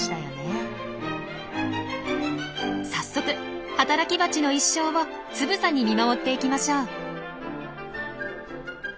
早速働きバチの一生をつぶさに見守っていきましょう。